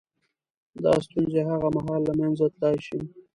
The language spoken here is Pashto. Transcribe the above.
• دا ستونزې هغه مهال له منځه تلای شي.